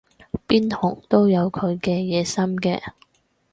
邊行都有佢嘅野心嘅